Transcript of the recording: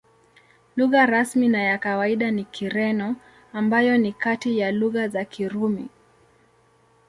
Lugha rasmi na ya kawaida ni Kireno, ambayo ni kati ya lugha za Kirumi.